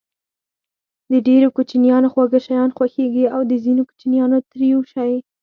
د ډېرو کوچنيانو خواږه شيان خوښېږي او د ځينو کوچنيانو تريؤ شی.